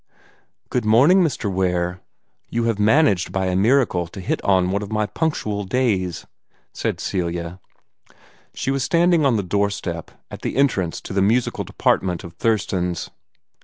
"Good morning, Mr. Ware. You have managed by a miracle to hit on one of my punctual days," said Celia. She was standing on the doorstep, at the entrance to the musical department of Thurston's.